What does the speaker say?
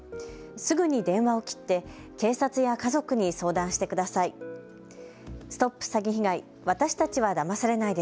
すぐに電話を切って警察や家族に相談してください。